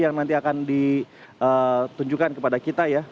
yang nanti akan ditunjukkan kepada kita ya